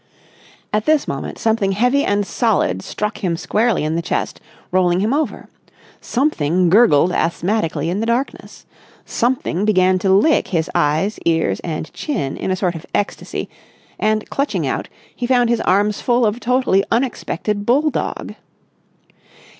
At this moment something heavy and solid struck him squarely in the chest, rolling him over. Something gurgled asthmatically in the darkness. Something began to lick his eyes, ears, and chin in a sort of ecstasy; and, clutching out, he found his arms full of totally unexpected bulldog.